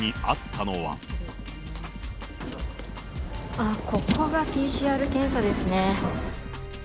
あっ、ここがＰＣＲ検査ですね。